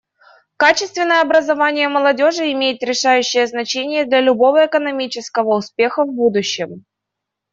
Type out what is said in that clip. Качественное образование молодежи имеет решающее значение для любого экономического успеха в будущем.